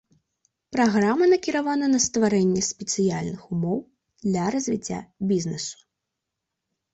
Праграма накіравана на стварэнне спрыяльных умоў для развіцця бізнесу.